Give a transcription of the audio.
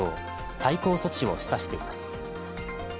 対抗措置を示唆しています。